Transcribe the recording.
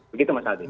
begitu mas albin